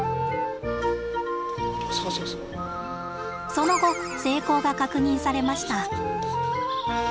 その後成功が確認されました。